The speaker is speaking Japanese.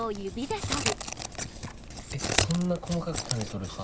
えっそんな細かく種取る派？